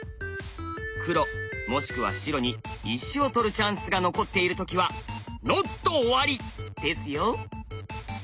黒もしくは白に石を取るチャンスが残っている時はＮＯＴ終わり！ですよ。